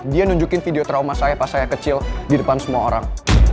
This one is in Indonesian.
dia nunjukin video trauma saya pas saya kecil di depan semua orang